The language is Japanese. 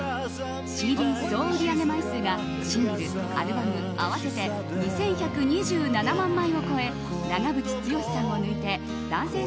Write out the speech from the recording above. ＣＤ総売り上げ枚数がシングル、アルバム合わせて２１２７万枚を超え長渕剛さんを抜いて男性